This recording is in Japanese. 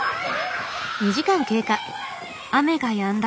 雨がやんだ